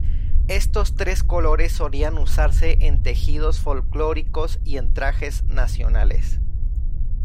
Estos tres colores solían usarse en tejidos folclóricos y en trajes nacionales.